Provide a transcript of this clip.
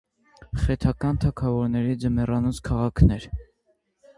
Խեթական թագավորների ձմեռանոց քաղաքն էր։